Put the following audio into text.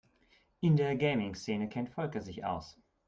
In der Gaming-Szene kennt Volker sich aus.